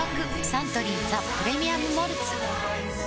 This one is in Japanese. サントリー「ザ・プレミアム・モルツ」